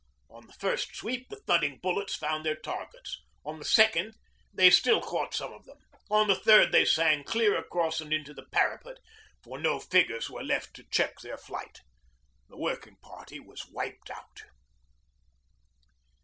On the first sweep the thudding bullets found their targets, on the second they still caught some of them, on the third they sang clear across and into the parapet, for no figures were left to check their flight. The working party was wiped out.